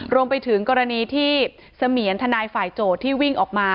รวมไปถึงกรณีที่เสมียนทนายฝ่ายโจทย์ที่วิ่งออกมา